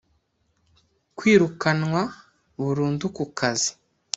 Kwirukanwa burundu kukazi